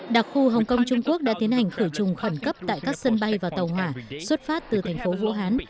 đặc khu hồng kông trung quốc đã tiến hành khử trùng khẩn cấp tại các sân bay và tàu hỏa xuất phát từ thành phố vũ hán